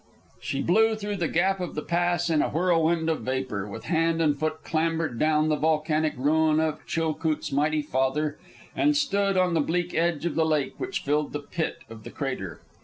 She blew through the gap of the pass in a whirlwind of vapor, with hand and foot clambered down the volcanic ruin of Chilcoot's mighty father, and stood on the bleak edge of the lake which filled the pit of the crater.